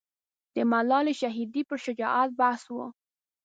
د ملالۍ شهیدې پر شجاعت بحث و.